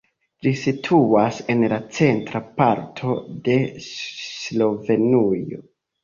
Ĝi situas en la centra parto de Slovenujo.